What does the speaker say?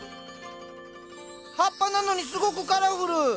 葉っぱなのにすごくカラフル。